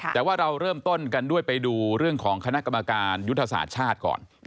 แต่ว่าเราเริ่มต้นกันด้วยไปดูเรื่องของคณะกรรมการยุทธศาสตร์ชาติก่อน